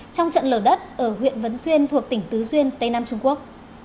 trong trận lở đất ở huyện vấn xuyên thuộc tỉnh tứ duyên tây nam trung quốc